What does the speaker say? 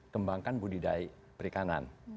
kembangkan budidaya perikanan